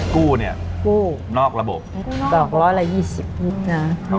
กู้นี่นอกระบบนอกระบบกู้นอกระบบละ๒๐นิดนะ